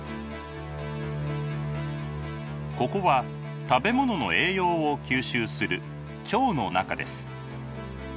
ここは食べ物の栄養を吸収する腸の中です。